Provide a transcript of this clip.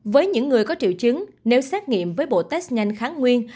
với những người có triệu chứng nếu xét nghiệm với bộ test nhanh kháng nguyên